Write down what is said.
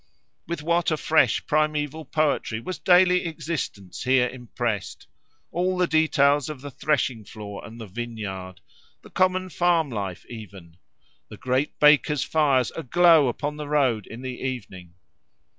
With what a fresh, primeval poetry was daily existence here impressed—all the details of the threshing floor and the vineyard; the common farm life even; the great bakers' fires aglow upon the road in the evening.